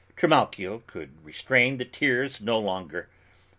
Trimalchio could restrain the tears no longer.